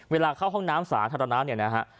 เวลาเข้าห้องน้ำสาธารณะเนี่ยนะฮะ